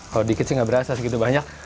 kalau dikit sih nggak berasa segitu banyak